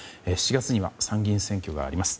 ７月には参議院選挙があります。